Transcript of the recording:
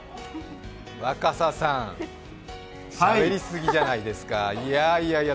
若狭さん、しゃべりすぎじゃないですか。